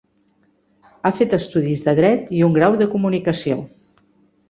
Ha fet estudis de dret i un grau de comunicació.